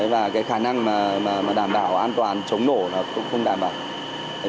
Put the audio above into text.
và cái khả năng đảm bảo an toàn chống nổ là cũng không đảm bảo